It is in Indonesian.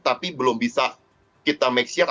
tapi belum bisa kita make sure